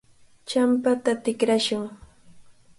Champata tikrashun.